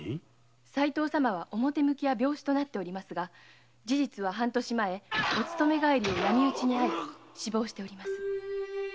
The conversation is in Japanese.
齋藤様は表向きは病死となっておりますが事実は半年前お勤め帰りを闇討ちにあい死亡しております。